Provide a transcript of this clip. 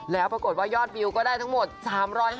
แล้วปรากฏว่ายอดวิวก็ได้ทั้งหมด๓๕๐